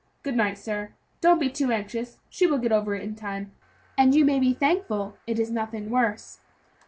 Good night, sir; don't be too anxious, she will get over it in time, and you may be thankful it is nothing worse."